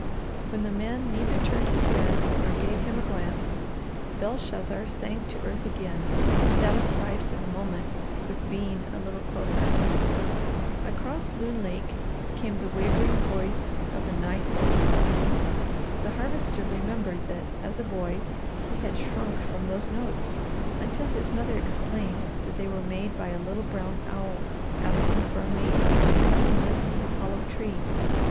When the man neither turned his head nor gave him a glance, Belshazzar sank to earth again, satisfied for the moment with being a little closer. Across Loon Lake came the wavering voice of a night love song. The Harvester remembered that as a boy he had shrunk from those notes until his mother explained that they were made by a little brown owl asking for a mate to come and live in his hollow tree.